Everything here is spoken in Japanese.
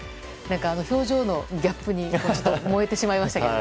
表情のギャップに萌えてしまいましたけども。